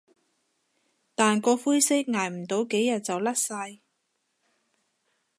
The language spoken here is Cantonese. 但個灰色捱唔到幾日就甩晒